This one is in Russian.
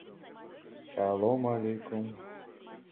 Но бедный сын мой отдался весь ей.